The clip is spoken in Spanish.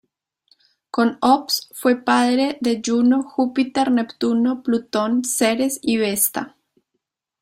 Con Ops fue padre de Juno, Júpiter, Neptuno, Plutón, Ceres y Vesta.